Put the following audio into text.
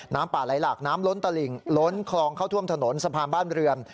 น้ำป่าไหลหลากน้ำล้นตลิ่งล้นคลองเข้าท่วมถนนสะพานบ้านเรือน